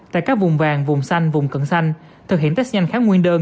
tại các vùng vàng vùng xanh vùng cận xanh thực hiện test nhanh khá nguyên đơn